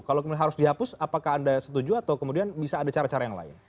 kalau harus dihapus apakah anda setuju atau kemudian bisa ada cara cara yang lain